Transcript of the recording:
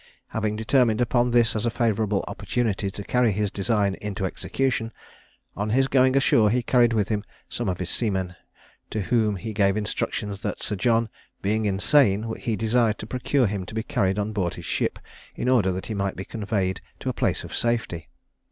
Having determined upon this as a favourable opportunity to carry his design into execution, on his going ashore he carried with him some of his seamen, to whom he gave instructions that Sir John being insane, he desired to procure him to be carried on board his ship, in order that he might be conveyed to a place of safety.